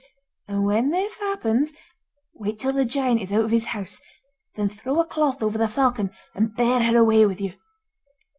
And when this happens, wait till the giant is out of his house; then throw a cloth over the falcon and bear her away with you.